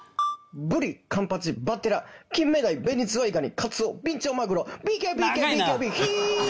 ブリ、カンパチ、バッテラキンメダイ、ベニズワイガニカツオ、ビンチョウマグロＢＫＢＫＢＫＢ。